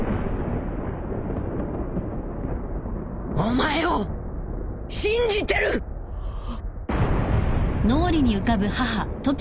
お前を信じてる！あっ。